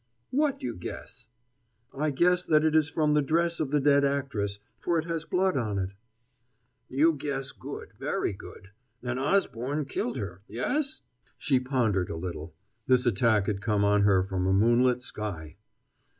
"What you guess?" "I guess that it is from the dress of the dead actress, for it has blood on it." "You guess good very good. And Osborne killed her yes?" She pondered a little. This attack had come on her from a moonlit sky.